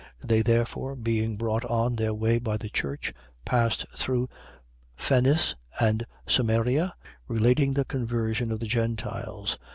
15:3. They therefore, being brought on their way by the church, passed through Phenice and Samaria, relating the conversion of the Gentiles.